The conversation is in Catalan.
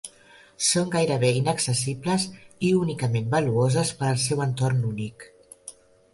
Són gairebé inaccessibles i únicament valuoses per al seu entorn únic.